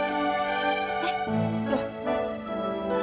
butlerju coba ya